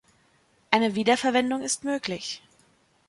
Eine Wiederverwendung ist möglich.